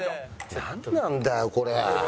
なんなんだよこれ。